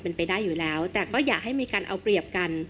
เป็นไปได้อยู่แล้วแต่ก็อยากให้มีการเอาเปรียบกัน